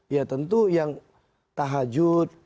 ya tentu yang tahajud